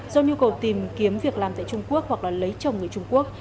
do nhu cầu tìm kiếm việc làm tại trung quốc hoặc lấy chồng người trung quốc